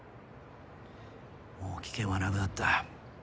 もう危険は無くなった。